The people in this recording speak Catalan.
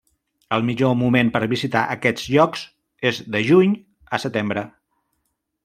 El millor moment per visitar aquests llocs és de juny a setembre.